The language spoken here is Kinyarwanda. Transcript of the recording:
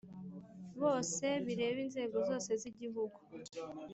Bose bireba inzego zose z’ Igihugu